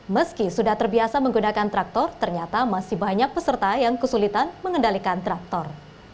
meski sudah terbiasa menggunakan traktor ternyata masih banyak peserta yang kesulitan mengendalikan traktor